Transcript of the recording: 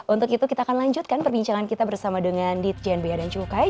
untuk itu kita akan lanjutkan perbincangan kita bersama dengan ditjen bea dan cukai